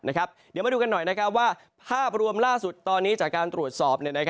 เดี๋ยวมาดูกันหน่อยว่าภาพรวมล่าสุดตอนนี้จากการตรวจสอบ